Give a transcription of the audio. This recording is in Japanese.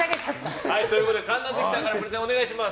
神奈月さんからプレゼンをお願いします。